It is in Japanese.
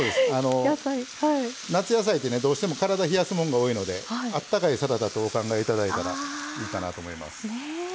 夏野菜ってどうしても体、冷やすものが多いのであったかいサラダと考えていただいたらいいかなと思います。